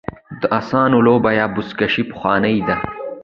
د اسونو لوبه یا بزکشي پخوانۍ ده